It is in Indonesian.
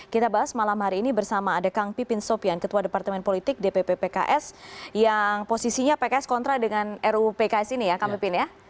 kita bahas malam hari ini bersama ada kang pipin sopian ketua departemen politik dpp pks yang posisinya pks kontra dengan ruu pks ini ya kang pipin ya